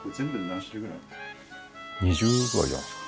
２０ぐらいじゃないですか？